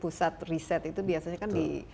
pusat riset itu biasanya kan di